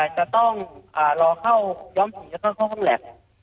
จะต้องรอเข้าย้อมสีแล้วก็เข้าห้องแล็บ